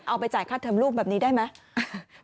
เอาไปจ่ายค่าเทิมลูกแบบนี้ได้ไหม